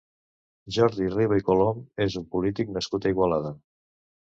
Jordi Riba i Colom és un polític nascut a Igualada.